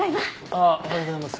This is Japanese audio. ああおはようございます。